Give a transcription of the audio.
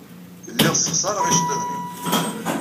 Lliɣ ssexṣareɣ iceḍḍiḍen-inu.